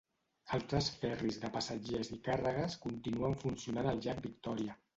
Altres ferris de passatgers i càrregues continuen funcionant al llac Victòria.